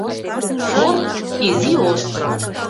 Форт — изи остров.